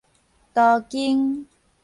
都更